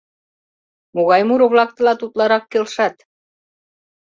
— Могай муро-влак тылат утларак келшат?